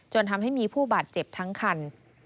ทำให้มีผู้บาดเจ็บทั้งคัน